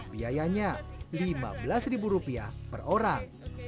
biayanya lima belas ribu rupiah per orang